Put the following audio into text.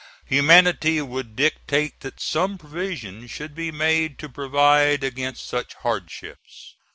Humanity would dictate that some provision should be made to provide against such hardships.